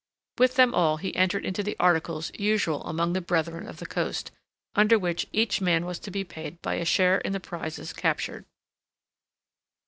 With them all he entered into the articles usual among the Brethren of the Coast under which each man was to be paid by a share in the prizes captured.